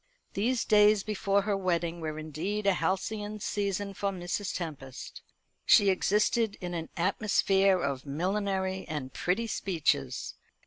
These days before her wedding were indeed a halcyon season for Mrs. Tempest. She existed in an atmosphere of millinery and pretty speeches.